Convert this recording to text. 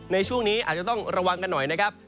ในช่วงนี้อาจจะต้องระวังกันหน่อยนะครับ